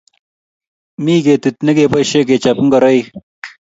Mi ketit ne keboisie kechope ngoroik